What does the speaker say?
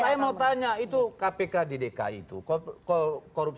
saya mau tanya itu kpk di dki itu korupsi